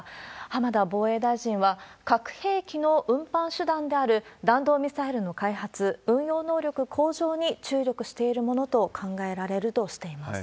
浜田防衛大臣は、核兵器の運搬手段である弾道ミサイルの開発、運用能力向上に注力しているものと考えられるとしています。